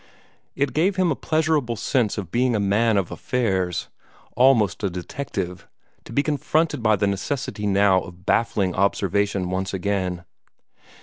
It gave him a pleasurable sense of being a man of affairs, almost a detective, to be confronted by the necessity now of baffling observation once again.